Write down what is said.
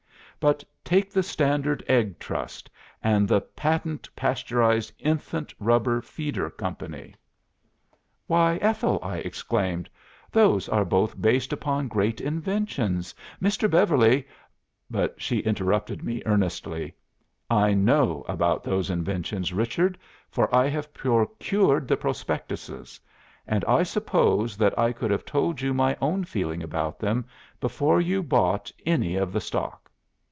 But take the Standard Egg Trust, and the Patent Pasteurised Infant Rubber Feeder Company.'" "'Why, Ethel!' I exclaimed, 'those are both based upon great inventions, Mr. Beverly '" "But she interrupted me earnestly 'I know about those inventions, Richard, for I have procured the prospectuses. And I wish that I could have told you my own feeling about them before you bought any of the stock.